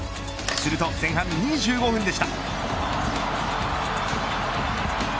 すると、前半２５分でした。